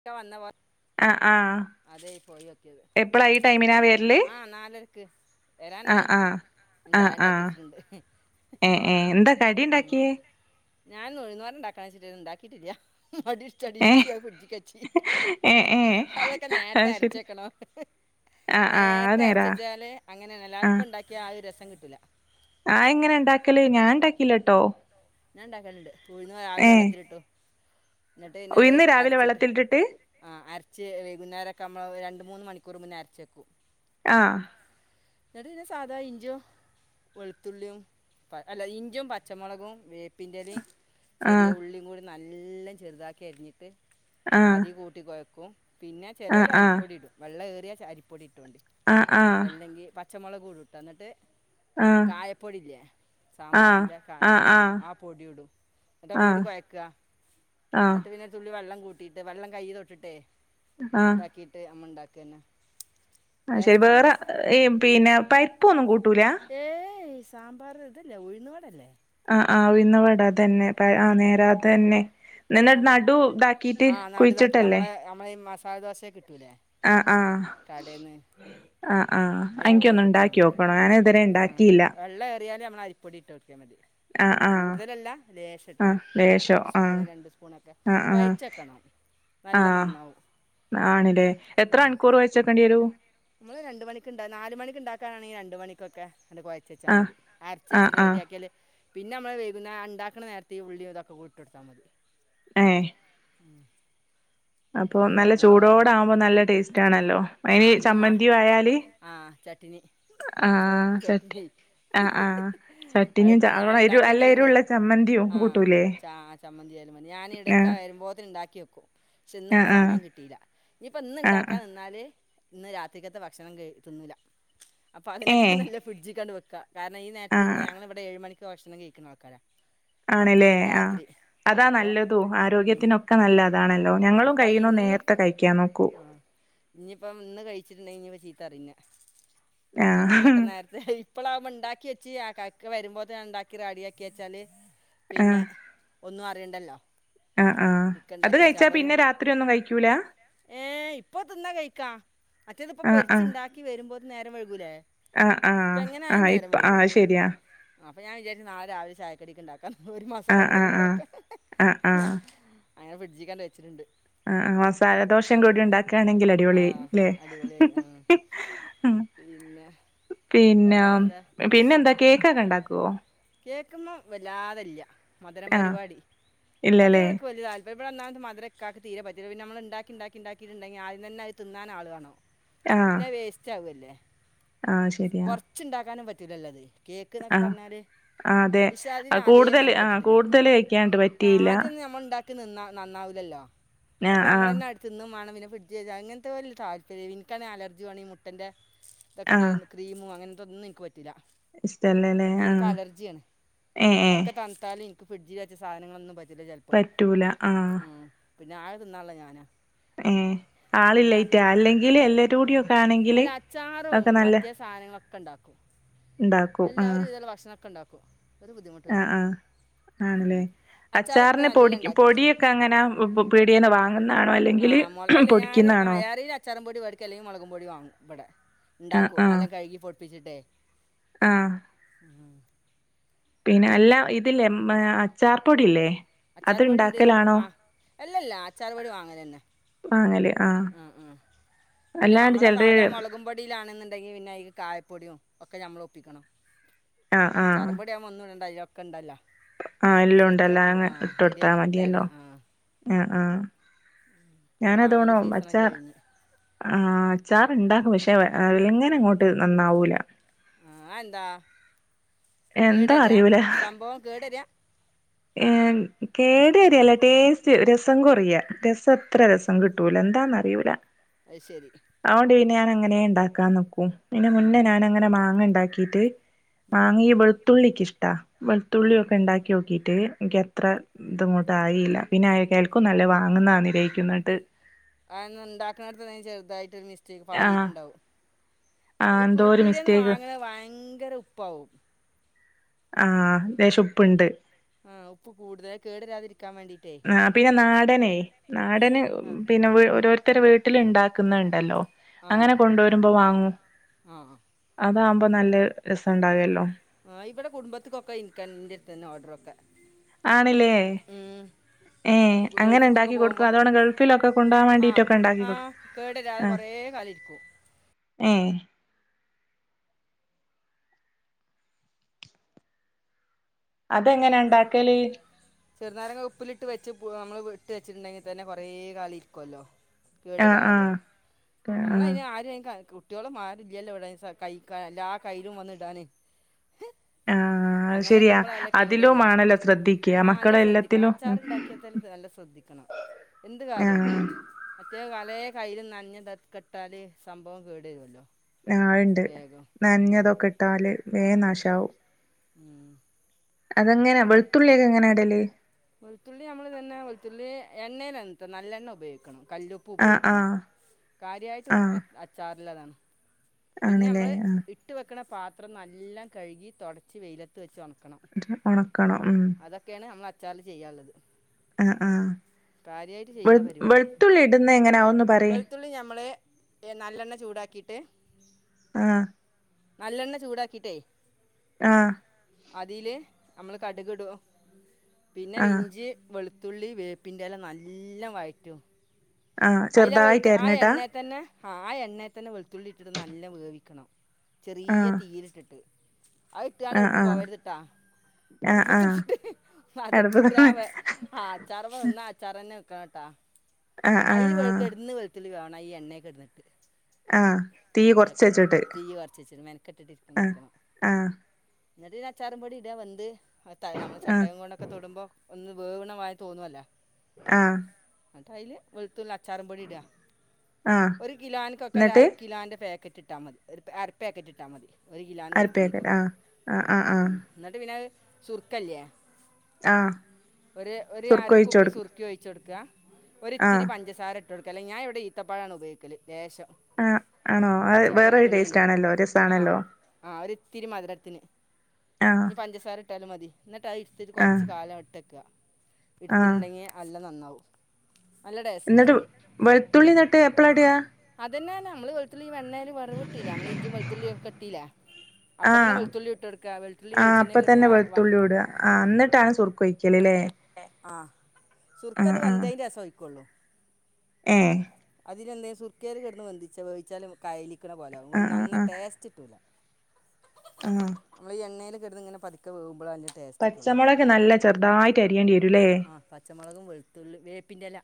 ക്ക വന്നവർ ആ ആഎപ്പളാ ഈ ടൈമിനാ വരല് ആ ആ ആ ആ ഏ ഏ എന്താ കടി ഇണ്ടാക്കിയേ ഞാൻന്ന് ഉഴുന്ന്വട ഉണ്ടാക്കാ വെച്ചിട്ട് ഉണ്ടാക്കിയിട്ടില്യ മടിഷ്റ്റഡിഷ്യ കുഞ്ഞികാച്ചി അതൊക്കെ നേരത്തെ അരച്ച് വെക്കണം നേരത്തെ അരച്ച് വെച്ചാല് അങ്ങനെണല്ല അപ്പ ഒണ്ടാക്കിയ ആ ഒരു രസ ത കിട്ടുല ആ എങ്ങനെ ഉണ്ടാക്കലേ ഞാൻ ഉണ്ടാക്കിലട്ടോ ഞണ്ടാക്കല്ണ്ട് ഉഴ്ന്ന് രാവിലെ വെള്ളത്തിലിട്ടു എന്നിട്ട് പിന്നെ അത് അരച്ചിട്ട് ആഹ് അര ച്ച് വൈകുന്നേരക്കാകുമ്പള രണ്ട് മൂന്ന് മണിക്കൂർ മുന്നേ അരച്ച് വെക്കും ആ എന്നിട്ട് പിന്നെ സാധാണ ഇഞ്ചോ വെളുത്തുള്ളിയും അല്ല ഇഞ്ചിയും പച്ചമുളകും വേപ്പിന്റെലേം ചെറിയ ഉള്ളീം കൂടി നല്ല ചെറുതാക്കി അരിഞ്ഞിട്ട് അധി കൂട്ടികൊഴക്കും പിന്നെ ചെലവര് അരിപ്പൊടിയിടും വെള്ള എ തേച്ച് അരിപ്പൊടി ട്ടോണ്ടി അല്ലെങ്കി പത് ച്ചമുളകും ഇട്ടൂട്ടാ എന്നിട്ട് കായപ്പൊടില്ലേ സാമ്പാറിന്റെ കായ അതു ഇടും ആ പൊടിടും എന്നിട്ടൊക്കെ കൂടി കോയക്ക്ക എന്നിട്ട് പിന്നെ തുള്ളി വെള്ളം കൂട്ടിട്ട് വെള്ളം കൈ തൊട്ടിട്ടേ ഇതാക്കിട്ട് അമ്മ ഇണ്ടാക്ക് ക്കെന്നെ ആഹ് ശരി വേറെ പിന്നെ പരിപ്പ്‌ ഒന്നും കൂട്ടൂല സാമ്പാർ ഇതല്ലേ ഉഴുന്നുവടല്ലേ ആഹ് ഉഴുന്ന്വട തന്നെ പ ആ നേരാതെ തന്നെ നിന്ന നടു ഇതാക്കിട്ട് കുഴിച്ചിട്ടല്ലേ സാലദോശെട് ക് ആ ആഹ് ആഹ് ആഹ് അയ്എനിക്കൊന്ന് ണ്ടാക്കി നോക്കണം ഞാന ഇതരെ ഉണ്ടാക്കിയില്ല ഒന്നരി പൊടിയിട്ട്ടുക്കാ മതി കൂടുതലല്ല ലേശട്ടാ ഒരു സ്പൂൺ രണ്ട് സ്പൂണ് ഒക്കെ കുഴച്ചക്കണം നല്ല നന്നാവും നമ്മള് രണ്ട മണിക്ക്ണ്ടാവ നാല മണിക്ക്ണ്ട ഒക്കാണെങ്കി രണ്ട് മണിക്കൊക്കെ ന്നിട്ട് കൊഴച്ചെച്ചാ മതി അരച്ച് വെച്ചിട്ട് റെഡി ആക്കിയാൽ പിന്നെ നമ്മള് വൈകുന്നേ ആ ണ്ടാ ക്ക്ണ നേരത്തെ ഈ ഉള്ളി ഇതൊക്കെ കൂട്ട്ടുത്തൽ മതി ഏഹ് ഉം അപ്പൊ നല്ല ചൂടോടെ ആവുമ്പോ നല്ല ടേസ്റ്റ് ആണല്ലോ ആഹ് അന്ന് മാ ആ ചട്ടിണി ചുവപ്പ് ചട്ടിനി അതിട്ട് ഞാന് ഇണ്ടാക്കിക്കെലണ്ടേ ആഹ് ചമ്മന്തിയാല് മതി ഞാൻ എടക്കാ വരുമ്പോ ഉണ്ടാക്കി വെക്കും പക്ഷെ ഇന്ന്ക്ക് സമയം കിട്ടിയില്ല ഇനിപ്പ ഇന്ന് ഇണ്ടാക്കാ നിന്നാല് ഇന്ന് രാത്രിക്കത്തെ ഭക്ഷണം ക തിന്നൂല്ല അപ്പൊ അതിനൊക്കെ നല്ല ഫ്രിഡ്ജ് ണ്ട്ക്ക വെ കാരണം ഈ നേരത്ത് തിന്നാ ഞങ്ങളെ വിടെ ഏഴ് മണി ക്ക് ഭഷണം കഴിക്ക്ണ ആൾക്കാരാ ആണല്ലേ ആഹ് അതാ നല്ലതും ആരോഗ്യത്തിനൊക്കെ നല്ല അതാണല്ലോ ഞങ്ങളും കയ്യ്ണും നേരത്തെ കഴിക്കാൻ നോക്കൂ നിന്ന് കഴിച്ചിട്ട്ണ്ടെങ്കി ചീത്തറിന്നെ രണ്ടും കെട്ട നേരത്തയ് ഇപ്പളാവുമ്പം ഇണ്ടാക്കി വെച്ചി ആകാക്ക വരുമ്പോത്തിനഅ്ഇണ്ടാക്കി റെഡിയാക്കി വെച്ചാല് പിന്നെ ഒന്നും അ ത് ണ്ടല്ലോ ആഹ് ആഹ് അത് കഴിച്ചാ പിന്നെ രാത്രി ഒന്നും കഴിക്കൂല ക്കാണ് മറ്റേത്പ്പൊ പൊരിച്ചു ഇണ്ടാക്കി വരുമ്പോ നേരം വൈകൂലേ ഇപ്പ എങ്ങനായാലും നേരം വഴുകും അപ്പൊ ഞാൻ വിചാരിച്ചു നാളെ രാവിലെ ചാ കടിക്ക്ണ്ടാ ക്കാ ഒരു മാസം ആ എന്തെങ്കിലും ഇണ്ടാക്ക അങ്ങനെ ഫ്രഡ്ജിക്കാണ്ട് വച്ചിട്ടുണ്ട് ആ ആ മസാലദോഷേം കൂടി ഉണ്ടാക്കാണെങ്കിൽ അടിപൊളി. ളി ല്ലേ പിന്ന പിന്നെ എന്താ കേക്കൊക്കെ ഉണ്ടാക്കുവോ? ക്ക്പം വല്ലാതില്ല മധുരം പരിപാടി അതിനോട്ക്ക് വലിയ താല്പര്യം അപ്പോ ഇടെന്നാത് മധുരം ഇക്കാക്ക് തീര പറ്റില്ലെന്ന നമ്മ ണ്ടാക്കി ണ്ടാക്കി ഉണ്ടാക്കിട്ടുണ്ടെിൽ ആദ്യം തന്നെ തിന്നാൻ ആളുകാണോ? പിന്നെ വേസ്റ്റ് ആകുവല്ലേ കൊറച്ചുണ്ടാക്കാനും പറ്റ തീരെല്ലാതെ ആഹ് ആഹ് അതെ കൂടുതല് ആഹ് കൂടുതല് വെയ്ക്കാണ്ട് പറ്റിയില്ല നിന്ന നന്നാവൂല്ലല്ലോ ഒക്കെ നമ്മളന്നെ അടുത്ത് തിന്നും വേണം പിന്നെ പറ്റിയതാ അങ്ങ താഴത്തേ എനിക്കാണേ അവർജിണ് ഈ മുട്ടിൻ്റെ ഇതൊക്കെ തേ ക്രീമും അങ്ങനെ തൊന്നും എൻക്ക് പ ത്തിലാ ഒക്കെ എനിക്ക് അലർജിയാണ് ഒക്കെ തൺതാല് ഫ്രിഡ്ജിൽ വച്ച സാധങ്ങളൊന്നും പ പറ്റൂല ആഹ് പിന്നെ ആയൊരു ന്നള്ളേ ഞാന് ഏഹ് ആളില്ലറ്റാ അല്ലെങ്കില് എല്ലാട കൂടിിയ ഒക്കെ ആണെങ്കില് ഒക്കെ നല്ല കണ്ടാക്കും എല്ലാവരും ഇതല ഭക്ഷണംൊക്കെ ഉണ്ടാവും ആ ആഹ് ആണല്ലേ അച്ചാറിനെ പൊടി പൊടിയൊക്കെ അങ്ങനെ പീടിയന്നെ വാങ്ങുന്നതാണോ അല്ലെങ്കിൽ പൊടിക്കുന്ന ആ ഏറെങ്കില അച്ചാ പൊടി പേടിക്ക അല്ലെങ്കിൽ മുളക പൊടി വങ്ങും ഇടെണ്ടാക്കും അല്ലാം കഴുകി പൊട്ട് പഛഡേ ആഹ പിന്നെ അല്ലാ ഇതില്ലേ അച്ചാർ പൊടില്ലേ അച്ചാറപൊടി ഉണ്ട് ആ അല്ലല്ല അച്ചാറപൊടി വാങ്ങലന്നെ ഉ ഉ പിന്നെ നമ്മളെ സാധാരണ മുളകും പൊടിയിലാണെന്നുണ്ടെങ്കി പിന്നെ കായപ്പൊടിയും ഒക്കെ നമ്മള ഒപ്പിക്കണം ചറമ്പൊടിിയൻ വന്നുണ്ടായി ക്കണ്ടല്ലോ ആഹ് എല്ലോം ഇണ്ടല്ല അങ്ങനെ ഇട്ടൊടുത്താൽ മതിയല്ലോ ആ ആ ഞാനതോണം പച്ച ആ അ ച്ചാറ് ഇണ്ടാക്കും. പക്ഷെ വ ഏ വലിയങ്ങനെ അങ്ങോട്ട് നന്നാവൂല. ആഹ് അയെന്താ കേടര സംഭവം കേടര. എൻ കേടരല്ല ടേസ്റ്റ് ര സം കൊറയ. രസം അത്ര രസം കിട്ടൂല എന്താന്ന് അറിയൂല. അത് ശരി പിന്നെ ഞാനങ്ങനെ ഇണ്ടാക്കാൻ നോക്കും. ഇതിന് മുന്നേ ഞാൻ അങ്ങനെ മാങ്ങ ഇണ്ടാ ക്കിട്ട് മാങ്ങിയ വെളുത്തുള്ളി ഇക്ക് ഇഷ് ട. വെൾത്തുള്ളി ഒക്കെ ഇണ്ടാക്കിയോക്കി. [unintelligible] ഇൻക്ക് അത്ര ഇതങ്ങോട്ട് ആയീല. പിന്നെ അയ്കാൽക്കും നല്ല വാങ്ങുന്നാന്ന് വിചാരിക്കും ന്നിട്ട് അത് ന്ന ഇണ്ടാക്ക്ന്നടുത്ത് എന്തേ ചെർതായിട്ട് ഒരു മിസ് റ്റെക്ക് പാളിട്ട്ണ്ടാവും. ഈ പീ പീഡിയെന്ന് വാങ്ങ്ന്ന ഭയങ്കര ഉപ്പാവും. ആഹ് ലേശം ഉപ്പ് ഇണ്ട്. ആ ഉപ്പ് കൂടുതല അത് കേടരാതിരി ആ പിന്നെ നാടനെ നാടന് പിന്നെ വീ ഓരോരു ത്തരെ വീട്ടിൽ ഇണ്ടാക്കുന്ന ഇണ്ടല്ലോ അങ്ങനെ കൊണ്ടോരു മ്പോ വാങ്ങും. ആ ആ അതാവുമ്പോ നല്ല രസം ഇണ്ടാകല്ലോ? ആ ഇവിടെ കുടുംബത്ത്ക്കൊക്കെ ഇൻക്കെ ഇന്റെടുത്തെന്നെ ഓഡറൊക്കെ. ആണില്ലേ ഏ അങ്ങനെ ഇണ്ടാക്കി കൊടുക്കും. അതോണം ഗൾഫിലൊക്കെ കൊണ്ടോവാൻ വേണ്ടിട്ടൊക്കെ ഇണ്ടാക്കി കൊട് ആ ഏ അതെങ്ങനെ ഇണ്ടാക്കല് ചെറുനാരങ്ങ ഉപ്പിലിട്ട് വെച്ച് പു ഏ നമ്മള് ഇട്ട് വെച്ചിട്ടുണ്ടെങ്കി തന്നെ കൊറേ കാലം ഇരിക്കുവല്ലോ കേടുവരാതെ നമ്മളൈന് ആരെ [unintelligible] കു ട്യോളും മാരുല്ല്യാല്ലോ ഇവിടെ സ കയ്ക്കാ എല്ലാ കയ്യിലും വന്നിടാന് അങ്ങനെ ഇടുമ്പോളാല്ലേ കേടരികാ ആ ല്ല ശ്രദ്ധിക്കണം അച്ചാറിണ്ടാക്കിയത്തൽ നല്ല ശ്രദ്ധിക്കണം എന്ത് കാര്യം മറ്റേ കാൽ ബേ കയ്യില് നൻഞ്ഞതത് കെട്ടാല് സംഭോം കേടുവരുവല്ലൊ ആ ഴ്ണ്ട് നൻഞ്ഞതൊക്കെ ഇട്ടാല് വേം നാശാവും അതെങ്ങനാ വെളുത്തുള്ളിയൊക്കെ എങ്ങനാടല് വെൾത്തുള്ളി നമ്മള് തന്നെ വെളൾത്തുള്ളി എണ്ണേലാൽണ്ട്ടൊ നല്ലണ്ണെ ഉപയോഗിക്കണം കല്ലുപ്പ് ഉപയോഗിക്കണം കാര്യായിട്ട് അ അ അച്ചാറ്ലതാണ് പിന്നെ മ്മ്ള് ഇട്ട് വെക്കണ പാത്രം നല്ലാം കഴുകി തൊടച്ച് വെയിലത്ത് വെച്ച് ഒണ ആണോ അതക്കെയാണ് ഞമ്ള അച്ചാറിൽ ചെയ്യാള്ളത് ആ ആ വെൾ വെളുത്തുള്ളി ഇടുന്ന എങ്ങനാ ഒന്ന് പറയ് ഏ നല്ലെണ്ണ ചൂടാക്കീട്ട് ആ നല്ലെണ്ണ ചൂടാക്കിട്ടേ അതില് നമ്മള് കടുക് ഇടോ പിന്നെ ഇഞ്ചി വെള് ത്തുള്ളി വേപ്പിൻ്റെല നല്ല വഴറ്റും ആ ചെറുതായിട്ടര്ന്ന്ട്ടാ ആ ആ എണ്ണേത്തന്നെ വെളുത്തുള്ളി ഇട്ടിട്ട് നല്ല വേവിക്കണം ചെറിയ തീയിലിട്ടിട്ട് ആയിട്ട് ആനെവ്ടെക്കും പോവരുത്ട്ടാ അടുപ്പത്തിട്ടിട്ട് അതിട്ടിട്ട് അച്ചാറ്മെന്ന അച്ചാറ്ന്നെയാണ് കേട്ടാ അയ്ല് വെക്കെട്ന്ന് വെൽത്തില്ലി വേവ് അയ്യേ എണ്ണേ കെടന്നട്ട്ക് അതൊക്കെ തന്നെ തീയ് ന്ന്ട്ട് ഇന് അച്ചാറുംപൊടി ടാ വെന്ത് അത് തയ്യാ അമ്മള് ചട്ടകം കൊണ്ടൊക്കെ തൊടുമ്പോ ഒന്ന് വേവ്ണമായി തോന്നുവല്ലാ ആഹ് അയില് വെൾത്തുൾഅ ചറുംപൊടി ഇട ഒരു കിലോാനക്കൊക്കെ ഒരു അര കിലോ്ന്റെ പാക്കറ്റ് ഇട്ടാൽ മതി ഒരു ആര പാക്കറ്റ് ഇട്ടാൽ മതി ഒരു കിലോാണ് വെളുത്തുള്ളിക്കൊക്കെ ഉ എന്നിട്ട് പിന്ന ചുർക്കല്ലേ ഒ ഒരു അരക്കുപ്പി സുരുക്ക ഒഴിച്ച കൊടു ക ത്തിരി പഞ്ച സാര ട്ടോടക്കൽ ഞാൻ ഇവിടെ ഈത്തപ്പഴണ് ഉപയോഗിക്കല് ആ തിരിമാതിരത്തിന് ഞ്പഞ്ചസാര ട്ടാലും മതി എന്നിട്ട് അയിൽ ഇത്തിരി കുറച്ച് കാലം ഇട്ടക്ക എടുത്തിട്ടുണ്ടെങ്കിയ അല്ല നന്നാവും [unintelligible] എന്നിട്ട് വെളുത്തുള്ളി നട്ട് എപ്പളാടാ ത്ന്നെ നമ്മള് വെ ഈ വണ്ണൽ വറവട്ടില്ല നമ്മള ഇഞ്ചി വെുത്തുള്ളിക്കെട്ടിലേ അപ്പ തെന്ന വെളുത്തുള്ളി ഇട്ടടുക്ക ആ അപ്പൊ തന്നെ വെളുത്തുള്ളിയൂട ആ എന്നിട്ടാണ് സുറുക്ക്വഴിക്കല് ല്ലേ ആ സുർക്ക ഇത് വെന്തൻ്റ ശേഷേഒയിക്കോള്ളൂ ഏഹ് തിനെന്തേം സുർക്കേൽ കെടന്ന് വെന്തിച്ച വേവിച്ചാല് ഞമ്മക്കയലി ക്ക്ണ പോലാവും നന്ന ടേസ്റ്റ് ഇട്ടൂല നമ്മള് എങ്ങന ക്കെട്ന്നങ്ങനെ പതിക്ക വേവ് പച്ചമുളൊക്കെ നല്ല ചെറുതായിട്ട് അരിയണ്ടിയേ രുലേ... മൊളകും, വെളുത്തുള്ളി, വേപ്പിന്റെല്ല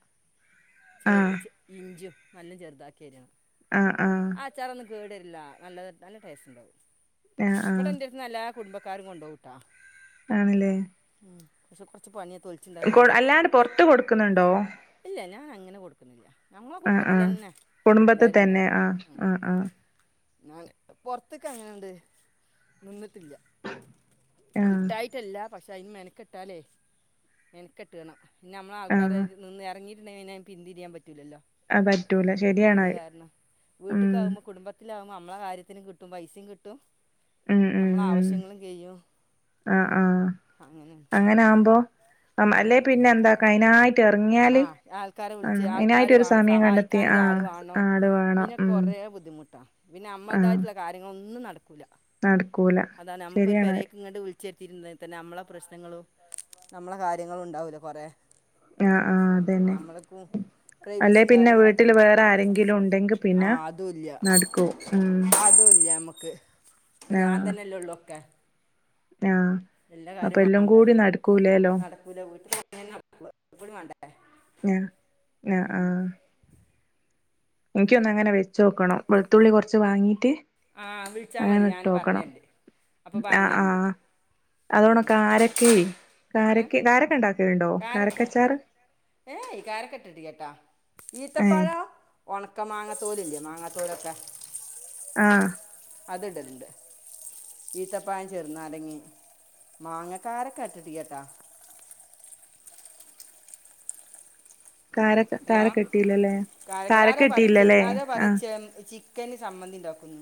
ചെറ് ഇഞ്ചിയും നല്ലം ചെറുതാക്കി എരിയണം. ആ അച്ചാറ് ഒന്ന് കേടര്ല്ല. നല്ലത് നല്ല ടേസ്റ്റ് ണ്ടാവും. ഇവടെ എന്റെ ട്ത്ത്ന്നെല്ലാ കുട്മ്ബ ക്കാരും കൊണ്ടോവുട്ടാ. ആണ് ല്ലേ പക്ഷെ കൊർച്ച് പണിയ കൊ അല്ലാണ്ട് പൊറത്ത് കൊടുക്കുന്നുണ്ടോ ഇങ്ങനെ കൊടുക്കുന്നില്ല ആ ആഹ് കുടുംബത്തി തന്നെ ആഹ് ആ ആ ഞങ്ങൾ പൊറത്തെക്ക് അങ്ങനെണ്ട് നിന്നി ല്ല കിട്ടായിട്ടല്ലാ പക്ഷേ അതിന് മെനക്കെട്ടാലേ മെനക്കെട്ടുണം പിന്നെ നമ്മള ആൾക്കാര് അതിനിന്ന് എറങ്ങി ന്നെനെ പിന്തിരിയാൻ പറ്റ് ആ പറ്റൂല ശരിയാണത് വീട്ട്ക്കാവുമ കുടുംബത്ത് ലാമ നമ്മളെ കാര്യത്തിനും കിട്ടും പൈസേം കിട്ടും ഉം ഉം ഉം ആഹ് ആഹ് അങ്ങനാകുമ്പോ നമ്മ അല്ലെ പിന്നെ എന്താക്ക അതിനായിട്ട് ഇറങ്ങിയാല് ആ അതിനായിട്ട് ഒരു സമയം കണ്ടെത്തി ആഹ് അടുവാ പിന്നെ കുറേ ബുദ്ധിമുട്ടാണ് പിന്നെ നമ്മളതായിട്ടുള്ള കാര്യങ്ങളൊന്നും നട ക്കുല നടക്കൂല ശരിയണത് ച്ചേത്തിരുന്നൽ തന്നെ നമ്മളെ പ്രശ്നങ്ങളും നമ്മളെ കാര്യങ്ങളും ഉണ്ടാവൂല കൊറെ ആഹ് ആഹ് അതന്നെ അല്ലെ പിന്നെ വീട്ടിൽ വേറെ ആരെങ്കിലും ഉണ്ടെങ്കി പിന്നെ നടക്കുവോ ഉം ക്കെ ആഹ് ളൊക്കെ എല്ലാ കാര്യ വാങ്ങണ്ടേ നടക്കൂല വീട്ടില് [unintelligible] വേണ്ട ഞ ഞ ആഹ് എനിക്കൊന്ന് അങ്ങനെ വെച്ച നോക്കണം വെളുത്തുള്ളി കൊറച്ച് വാങ്ങീട്ട് ആഹ് വിളിച്ചാ മതി ഞാന് പറഞ്ഞര്ണ്ട് അപ്പൊ പറഞ്ഞര്ണ്ട് ഉം ഏ കാരക്ക ഏയ് കാരക്ക ഇട്ടിട്ടില്ലകേട്ടാ ഈത്തപ്പാഴോ ഉണക്ക മാങ്ങത്തോല് ഇല്ലേ മാങ്ങാത്തോലൊക്കെ ആഹ് അത്ടണ്ട് ഈത്തപ്പഴം ചെറുന്നാരങ്ങി മാങ്ങക്കാരൊക്കെ അട്ടിട്ടില്ലട്ടോ കാരട്ട കാരക്കെട്ടില്ലല്ലേ കാരക്കെട്ടിയില്ലല്ലേ ആഹ് ന് സമ്മന്തി ഉണ്ടാക്കുന്നു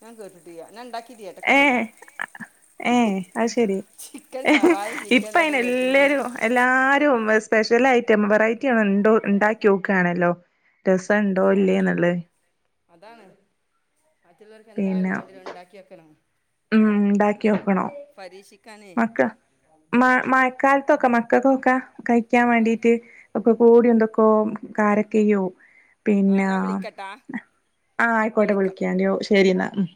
ഞാൻ കേട്ടിട്ടില്ല ഞാൻ ഇണ്ടാക്കി ഏ ഏ അ ശെരി ഏ ഇപ്പ അയിന് എല്ലരും എല്ലാരും സ്പെഷ്യൽയി റ്റെം വെറൈറ്റിയാണ് ഉണ്ടോ ഉണ്ടാക്കി നോക്കുകയാണല്ലോ രസണ്ടോ ഇല്ലേന്നുള്ളേ അതാണ് മറ്റുള്ളവർക്ക് എന്തായാലും മാണ്ട്യരും അത് ഇണ്ടാക്കി വെക്കെന്നെ മാണം ഉം ഉണ്ടാക്കി വെക്കണോ മക്ക മ മ മഴക്കാലത്തൊക്കെ മക്കക്കൊക്കെ കഴിക്കാൻ വേണ്ടിട്ട് ഒക്കെ കൂടി ഉണ്ടാക്കോ കാരക്കെയോ പിന്നെ ആഹ് ആയിക്കോട്ടെ വിളിക്കണ്ടോ ശെരി എന്നാ ഉം